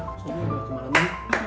sob gue mau ke malam ini